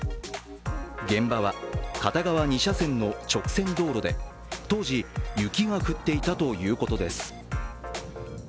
現場は片側２車線の直線道路で当時、雪が降っていたということです。